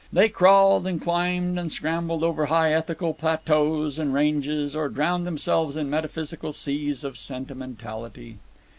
They crawled and climbed and scrambled over high ethical plateaux and ranges, or drowned themselves in metaphysical seas of sentimentality.